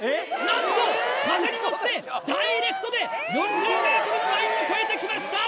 なんと風に乗ってダイレクトで４０ｍラインを超えてきました。